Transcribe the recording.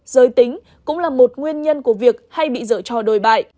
giới tính cũng là một nguyên nhân của việc hay bị dở cho đồi bại